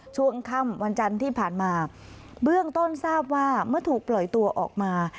ช่วงค่ำวันจันทร์ที่ผ่านมาเบื้องต้นทราบว่าเมื่อถูกปล่อยตัวออกมา